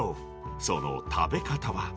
その食べ方は。